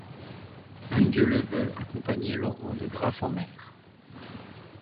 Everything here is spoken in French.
Anne Dieu-le-veut accompagnait Laurent de Graff en mer.